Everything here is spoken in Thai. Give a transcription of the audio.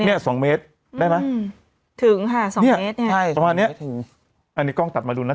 เนี้ยสองเมตรได้ไหมอืมถึงค่ะสองเนี้ยเมตรเนี้ยใช่ประมาณเนี้ยถึงอันนี้กล้องตัดมาดูนะ